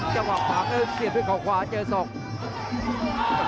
กระหว่างทางเสียบด้วยขวาเจอส่อง